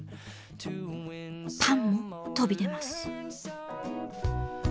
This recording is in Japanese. パンも飛び出ます。